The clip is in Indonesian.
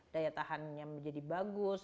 daya tahannya menjadi bagus